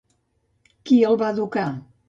Qui el va educar?